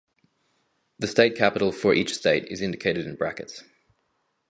The state capital for each state is indicated in brackets.